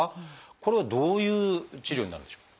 これはどういう治療になるんでしょう？